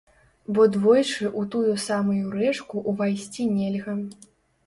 Бо двойчы ў тую самую рэчку ўвайсці нельга.